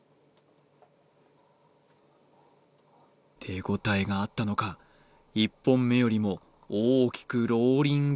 手応えがあったのか１本目よりも大きくローリング